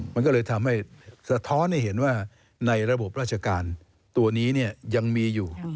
มันก็เลยทำให้สะท้อนให้เห็นว่าในระบบราชการตัวนี้ยังมีอยู่